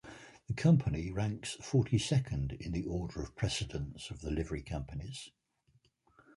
The Company ranks forty-second in the order of precedence of the Livery Companies.